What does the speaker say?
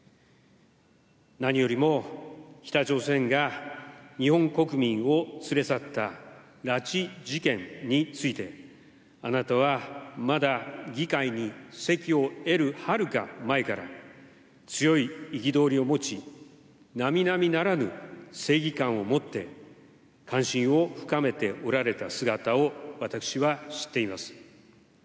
何よりも、北朝鮮が日本国民を連れ去った拉致事件について、あなたはまだ議会に籍を得るはるか前から強い憤りを持ち、並々ならぬ正義感を持って、関心を深めておられた姿を私は知っています。